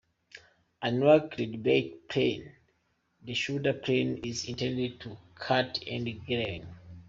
Unlike the rebate plane, the shoulder plane is intended to cut end grain.